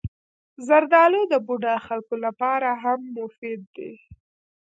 زردالو د بوډا خلکو لپاره هم مفید دی.